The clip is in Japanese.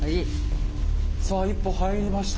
さあ一歩入りました。